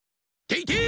てい